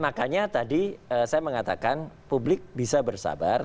makanya tadi saya mengatakan publik bisa bersabar